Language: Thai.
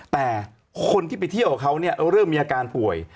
แต่คนที่ไปเที่ยวกับเขาเนี่ยเริ่มมีอาการป่วย